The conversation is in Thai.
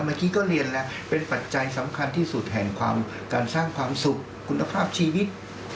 เมื่อกี้ก็เรียนแล้วเป็นปัจจัยสำคัญที่สุดแห่งความการสร้างความสุขคุณภาพชีวิต